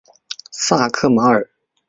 萨克马尔。